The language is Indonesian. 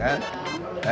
sepuluh menit kan